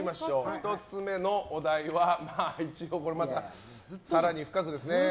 １つ目のお題は、更に深くですね。